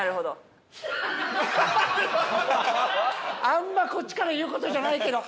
あんまこっちから言う事じゃないけど。